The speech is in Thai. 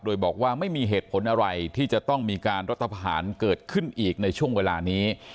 โดยบอกว่าไม่มีเหตุผลอะไรที่จะต้องมีการรัฐพาหารเกิดขึ้นอีกในช่วงเวลานี้